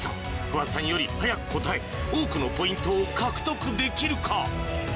不破さんより速く答え、多くのポイントを獲得できるか。